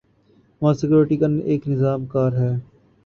وہاں سکیورٹی کا ایک نظام کار ہے۔